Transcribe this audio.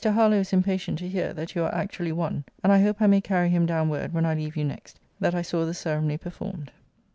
Harlowe is impatient to hear, that you are actually one; and I hope I may carry him down word, when I leave you next, that I saw the ceremony performed.